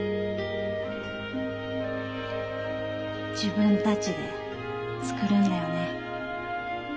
自分たちでつくるんだよね。